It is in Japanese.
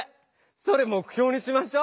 それ目ひょうにしましょ！